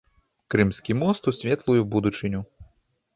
Крымскі мост у светлую будучыню!